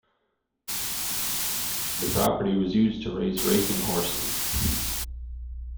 The property was used to raise racing horses.